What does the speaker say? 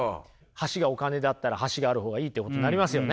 橋がお金だったら橋がある方がいいってことになりますよね。